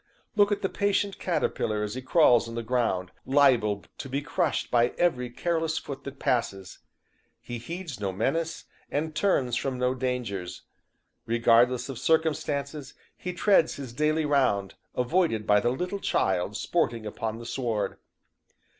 Look at the patient caterpillar as he crawls on the ground, liable to be crushed by every careless foot that passes. He heeds no menace, and turns from no dangers. Regardless of circumstances, he treads his daily round, avoided by the little child sporting upon the sward.